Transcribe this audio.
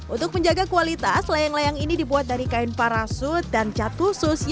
untuk menjaga kualitas layang layang ini dibuat dari kain parasut dan cat khusus